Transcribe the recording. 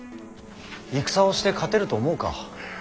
戦をして勝てると思うか。